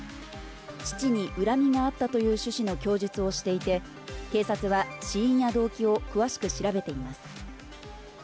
父に恨みがあったという趣旨の供述をしていて、警察は死因や動機を詳しく調べています。